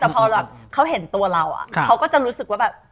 แต่พอแบบเขาเห็นตัวเราเขาก็จะรู้สึกว่าแบบ